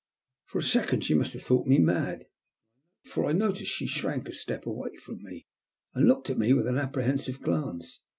For a second she must have thought me mad, for I noticed she shrank a step away from me, and looked at me with an apprehensive glance.